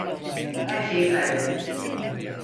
Her şeyi kaybettim.